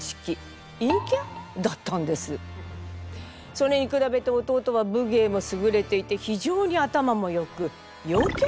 それに比べて弟は武芸も優れていて非常に頭もよく陽キャ？